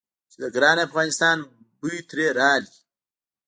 چې د ګران افغانستان بوی ترې راغی.